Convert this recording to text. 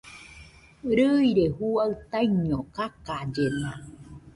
Rɨire juaɨ taiño kakaillena